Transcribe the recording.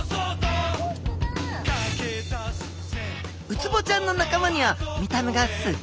ウツボちゃんの仲間には見た目がすっ